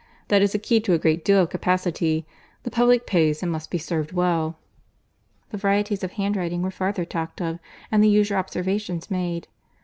That is the key to a great deal of capacity. The public pays and must be served well." The varieties of handwriting were farther talked of, and the usual observations made.